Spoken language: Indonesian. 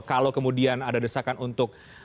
kalau kemudian ada desakan untuk